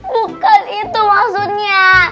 bukan itu maksudnya